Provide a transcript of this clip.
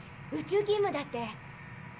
宇宙勤務だって。